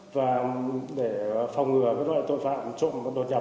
và để phòng ngừa các loại tài sản